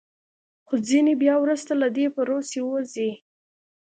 خو ځینې بیا وروسته له دې پروسې وځي